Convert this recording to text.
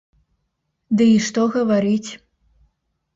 Ды і што гаварыць!